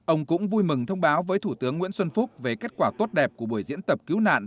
ông cũng vui mừng thông báo với thủ tướng nguyễn xuân phúc về kết quả tốt đẹp của buổi diễn tập cứu nạn